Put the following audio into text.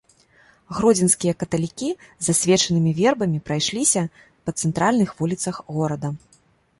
Гродзенскія каталікі з асвечанымі вербамі прайшліся па цэнтральных вуліцах горада.